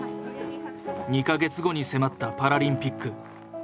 ２か月後に迫ったパラリンピック。